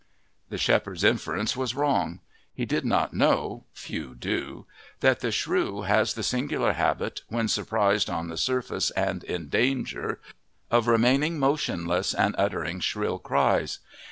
The shepherd's inference was wrong; he did not know few do that the shrew has the singular habit, when surprised on the surface and in danger, of remaining motionless and uttering shrill cries.